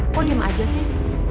kok diem aja sih